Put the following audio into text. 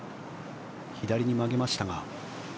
左に曲げましたが。